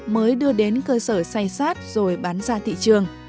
mới đưa đến cơ sở say sát rồi bán ra thị trường